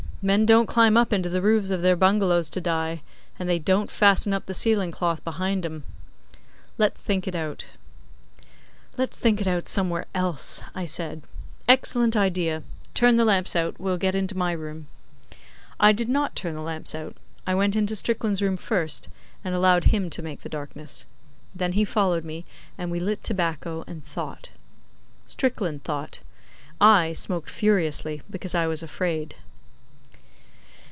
'Men don't climb up into the roofs of their bungalows to die, and they don't fasten up the ceiling cloth behind 'em. Let's think it out.' 'Let's think it out somewhere else,' I said. 'Excellent idea! Turn the lamps out. We'll get into my room.' I did not turn the lamps out. I went into Strickland's room first, and allowed him to make the darkness. Then he followed me, and we lit tobacco and thought. Strickland thought. I smoked furiously, because I was afraid.